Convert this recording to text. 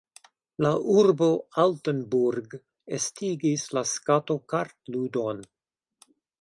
La urbo Altenburg estigis la skato-kartludon.